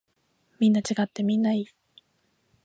みんな違ってみんないい。